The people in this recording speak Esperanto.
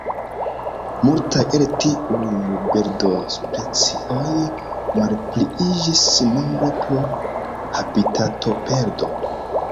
Multaj el tiuj birdospecioj malpliiĝis nombre pro habitatoperdo.